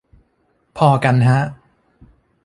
พอกันฮะ